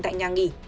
tại nhà nghỉ